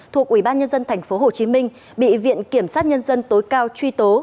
thuộc ubnd tp hcm bị viện kiểm sát nhân dân tối cao truy tố